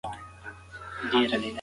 ښه ملګری ژوند اسانه کوي